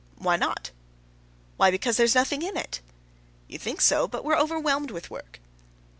"Why not?" "Why, because there's nothing in it." "You think so, but we're overwhelmed with work."